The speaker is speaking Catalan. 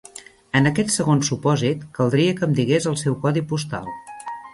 En aquest segon supòsit, caldria que em digués el seu codi postal.